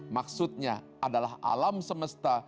maksudnya adalah alam semesta